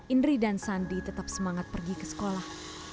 indri dan sandi tetap semangat pergi ke sekolah